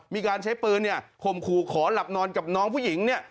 มีการใช้ปืนเนี่ยข่มขู่ขอหลับนอนกับน้องผู้หญิงเนี่ย